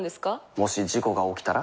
もし事故が起きたら？